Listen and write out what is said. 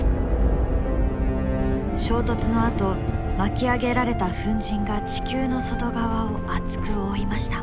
衝突のあと巻き上げられた粉じんが地球の外側を厚く覆いました。